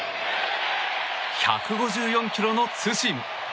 １５４キロのツーシーム。